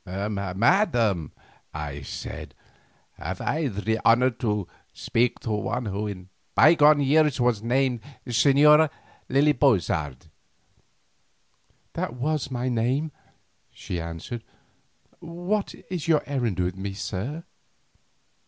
"Madam," I said, "have I the honour to speak to one who in bygone years was named the Señora Lily Bozard?" "That was my name," she answered. "What is your errand with me, sir?"